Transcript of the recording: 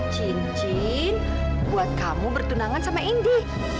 cincin buat kamu bertunangan sama indi